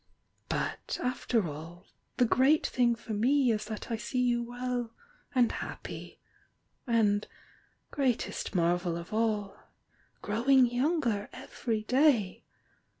But, after all, the great thing for me is that I see you well and happy — and greatest marvel of all — grow ing younger every day!